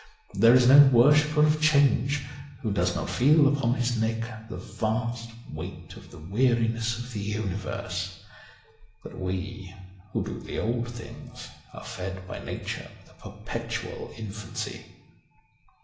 There is no worshipper of change who does not feel upon his neck the vast weight of the weariness of the universe. But we who do the old things are fed by Nature with a perpetual infancy.